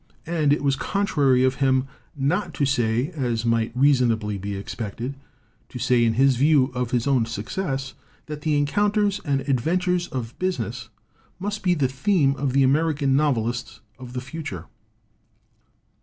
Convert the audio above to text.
And it was contrary of him not to say, as he might reason ably be expected to say in view of his own success, that the encounters and adventures of business must be the theme of the American novelists of the future.